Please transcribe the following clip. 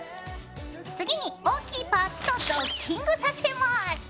次に大きいパーツとドッキングさせます！